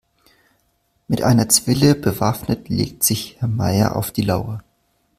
Mit einer Zwille bewaffnet legt sich Herr Meier auf die Lauer.